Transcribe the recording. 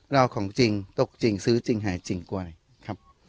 ของจริงตกจริงซื้อจริงหายจริงกว่าอะไรครับ